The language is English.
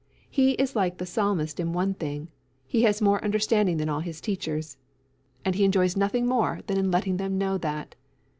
He is like the Psalmist in one thing, he has more understanding than all his teachers. And he enjoys nothing more than in letting them know that.